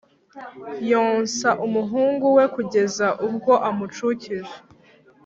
yonsa umuhungu we kugeza ubwo amucukije